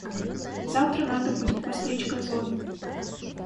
Завтра надо будет постричь газон.